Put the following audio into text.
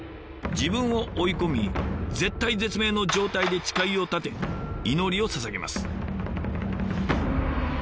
自分を追い込み絶体絶命の状態で誓いを立て祈りをささげます。